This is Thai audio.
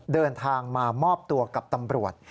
เดินทางมามอบตัวกับตำรวจ